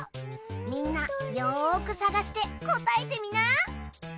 みんなよく探して答えてみな。